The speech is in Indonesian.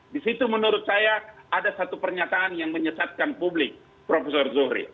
di situ menurut saya ada satu pernyataan yang menyesatkan publik prof zuhri